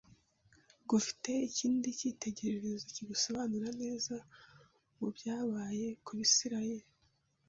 gufite ikindi cyitegererezo kigusobanura neza mu byabaye ku Bisirayeli